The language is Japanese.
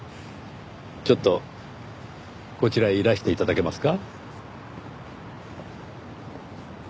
ちょっとこちらへいらして頂けますか？